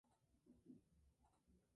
Culmos con los nodos glabros.